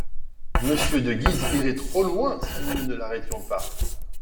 Monsieur de Guise irait trop loin, si nous ne l’arrêtions pas.